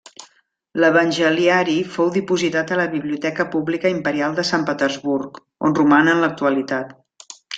L'Evangeliari fou dipositat a la Biblioteca Pública Imperial de Sant Petersburg, on roman en l'actualitat.